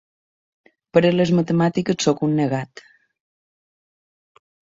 Per a les matemàtiques, soc un negat.